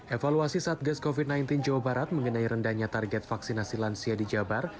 evaluasi satgas covid sembilan belas jawa barat mengenai rendahnya target vaksinasi lansia di jabar